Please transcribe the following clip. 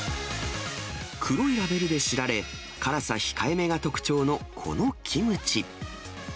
黒いラベルで知られ、辛さ控えめが特徴のこのキムチ。